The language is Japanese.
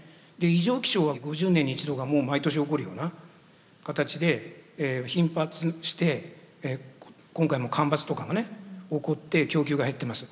異常気象は５０年に一度がもう毎年起こるような形で頻発して今回も干ばつとかがね起こって供給が減ってます。